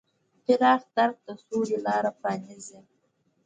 پراخ درک د سولې لاره پرانیزي.